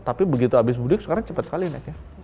tapi begitu abis mudik sekarang cepet sekali ya